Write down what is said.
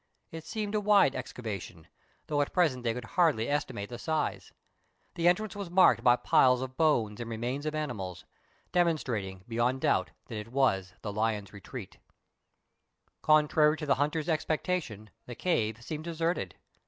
It seemed a wide excavation, though at present they could hardly estimate the size. The entrance was marked by piles of bones and remains of animals, demonstrating, beyond doubt, that it was the lions' retreat Contrary to the hunter's expectation, the cave seemed deserted.